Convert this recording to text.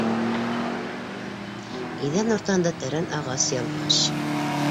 Иҙән уртаһында тәрән ағас ялғаш.